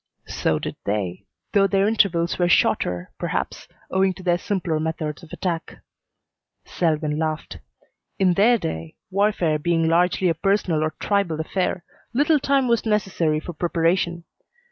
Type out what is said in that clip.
"So did they, though their intervals were shorter, perhaps, owing to their simpler methods of attack." Selwyn laughed. "In their day, warfare being largely a personal or tribal affair, little time was necessary for preparation.